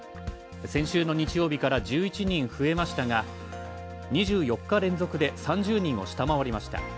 先週の日曜日から１１人増えましたが２４日連続で３０人を下回りました。